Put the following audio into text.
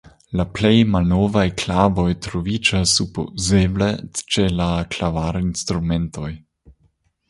La plej malnovaj klavoj troviĝas supozeble ĉe la klavarinstrumentoj.